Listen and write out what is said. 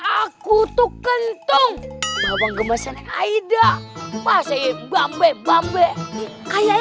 aku tuh kentung bapak gemes aida masih bambet bambet kayaknya